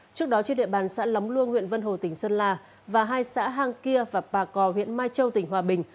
trước đó trên địa bàn xã lóng luông huyện vân hồ tỉnh sơn la và hai xã hang kia và bà cò huyện mai châu tỉnh hòa bình